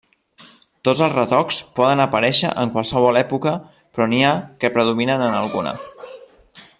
Tots els retocs poden aparèixer en qualsevol època però n'hi ha que predominen en alguna.